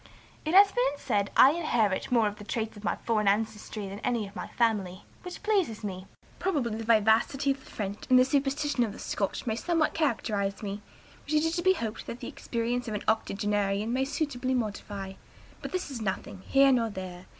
"It has been said I inherit more of the traits of my foreign ancestry than any of my family, which pleases me. Probably the vivacity of the French and the superstition of the Scotch may somewhat characterize me, which it is to be hop'd the experience of an octogenarian may suitably modify. But this is nothing, here nor there.